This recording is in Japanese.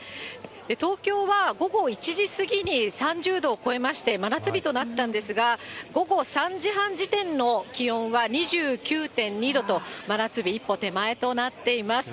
東京は午後１時過ぎに３０度を超えまして、真夏日となったんですが、午後３時半時点の気温は２９．２度と、真夏日一歩手前となっています。